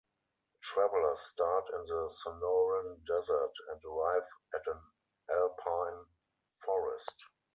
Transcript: Travelers start in the Sonoran Desert and arrive at an alpine forest.